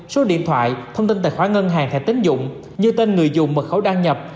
số điện thoại thông tin tài khoản ngân hàng thẻ tính dụng như tên người dùng mật khẩu đăng nhập